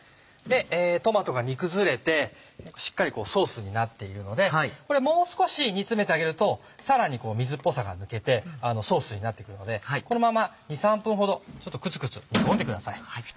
トマトが煮崩れてしっかりソースになっているのでこれもう少し煮詰めてあげるとさらに水っぽさが抜けてソースになってくるのでこのまま２３分ほどちょっとくつくつ煮込んでください。